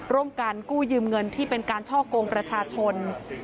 ร่วมกันกู้ยืมเงินที่เป็นการช่อกงประชาชน